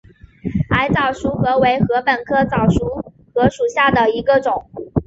矮早熟禾为禾本科早熟禾属下的一个种。